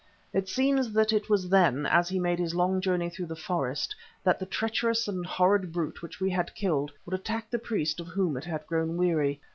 It seems that it was then, as he made his long journey through the forest, that the treacherous and horrid brute which we had killed, would attack the priest of whom it had grown weary.